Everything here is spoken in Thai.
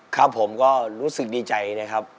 ครับผมก็รู้สึกดีใจนะครับ